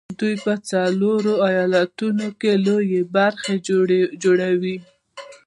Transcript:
دوی د څلورو ايالتونو لويه برخه جوړوله